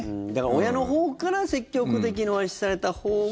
親のほうから積極的にお話しされたほうが。